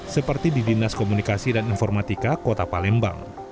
seperti di dinas komunikasi dan informatika kota palembang